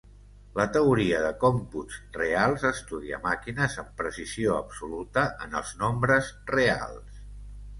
La teoria de còmputs reals estudia màquines amb precisió absoluta en els nombres reals.